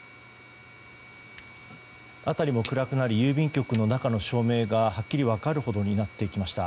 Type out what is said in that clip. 辺りも暗くなり郵便局の中の照明がはっきり分かるほどになってきました。